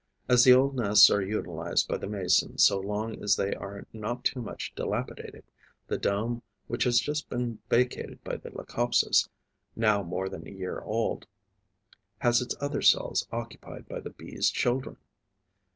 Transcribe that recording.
As the old nests are utilized by the Mason so long as they are not too much dilapidated, the dome which has just been vacated by the Leucopsis, now more than a year old, has its other cells occupied by the Bee's children.